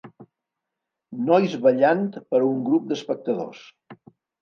Nois ballant per a un grup d'espectadors.